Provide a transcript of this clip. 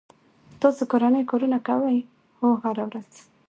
تاسو کورنی کارونه کوئ؟ هو، هره ورځ